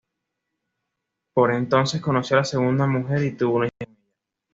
Por entonces conoció a su segunda mujer y tuvo una hija con ella.